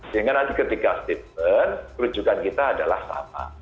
sehingga nanti ketika statement rujukan kita adalah sama